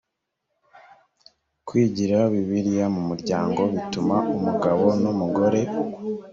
kwigira bibiliya mu muryango bituma umugabo n umugore